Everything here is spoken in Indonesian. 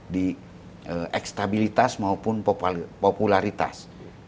di ekstabilitas maupun popularitas